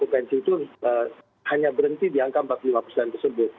pensil itu hanya berhenti di angka empat puluh lima persen tersebut